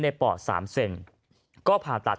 ในป่อสามเซนก็ผ่าตัด